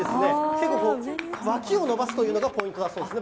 結構、脇を伸ばすというのがポイントだそうですね。